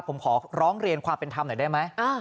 ผมขอร้องเรียนความเป็นธรรมหน่อยได้ไหม